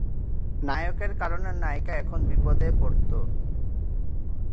নায়কের কারণে নায়িকা এখানে বিপদে পড়ত।